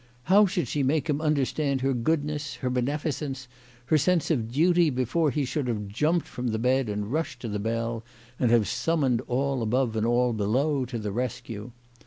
How should she make him understand her goodness, her beneficence, her sense of duty, before he should have jumped from the bed and rushed to the bell, and have summoned all above and all below to the rescue